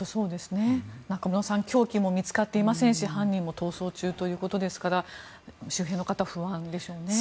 中室さん凶器も見つかっていませんし犯人も逃走中ということですから周辺の方は不安でしょうね。